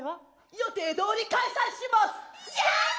予定どおり開催します！